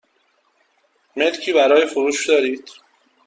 ملکی برای فروش دارید؟